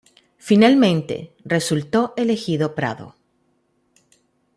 Finalmente, resultó elegido Prado.